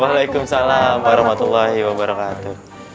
waalaikumsalam warahmatullahi wabarakatuh